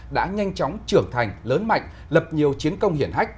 đã nhanh chóng trưởng thành lớn mạnh lập nhiều chiến công hiển hách